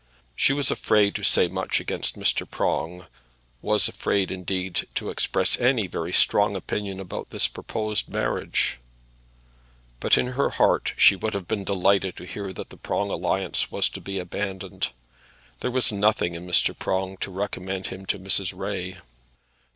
She was afraid to say much against Mr. Prong; was afraid, indeed, to express any very strong opinion about this proposed marriage; but in her heart she would have been delighted to hear that the Prong alliance was to be abandoned. There was nothing in Mr. Prong to recommend him to Mrs. Ray.